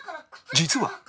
実は